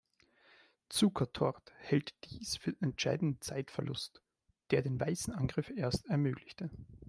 Zukertort hält dies für den entscheidenden Zeitverlust, der den weißen Angriff erst ermöglichte.